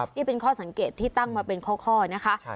นี่เป็นข้อสังเกตที่ตั้งมาเป็นข้อนะคะ